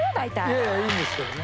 いやいやいいんですけどね。